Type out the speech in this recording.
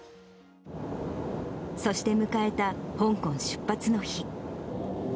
そして迎えた、香港出発の日。